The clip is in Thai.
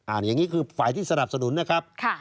อย่างนี้คือฝ่ายที่สนับสนุนนะครับ